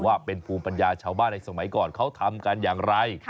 ว่าเป็นภูมิปัญญาชาวบ้านในสมัยก่อนเขาทำกันอย่างไร